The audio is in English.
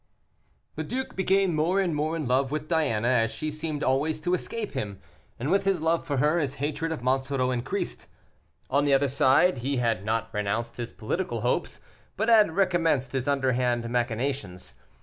The duke became more and more in love with Diana, as she seemed always to escape him, and with his love for her, his hatred of Monsoreau increased. On the other side he had not renounced his political hopes, but had recommenced his underhand machinations.